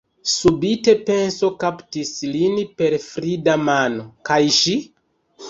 Subite penso kaptis lin per frida mano: kaj ŝi?